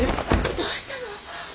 どうしたの？